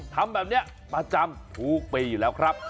ถแบบเนี้ยประจำพูกไปอยู่แล้วครับ